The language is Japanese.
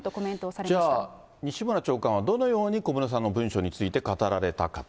じゃあ、西村長官はどのように小室さんの文書について語られたかと。